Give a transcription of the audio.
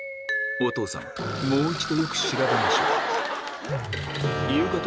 お父さん、もう一度よく調べましょう。